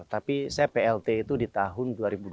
tapi saya plt itu di tahun dua ribu dua puluh